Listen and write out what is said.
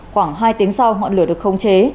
khoảng hai tiếng sau họ lửa được không chế